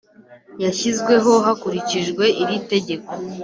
yashyizweho hakurikijwe iri tegeko